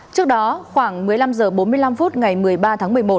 trước đó khoảng một mươi năm h bốn mươi năm phút ngày một mươi ba tháng một mươi một